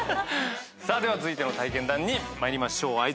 さあでは続いての体験談に参りましょう。